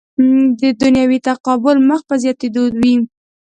دنیوي تقابل مخ په زیاتېدو وي.